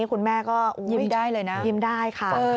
คุณแม่ก็ยิ้มได้ค่ะยิ้มได้เลยนะ